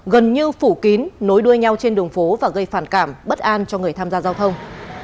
gần như phủ kín nối đuôi nhau trên đường phố và gây phản cảm bất an cho người tham gia giao thông